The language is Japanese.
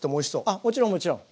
あっもちろんもちろん。